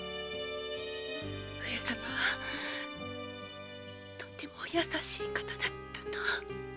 上様はとてもお優しい方だったと。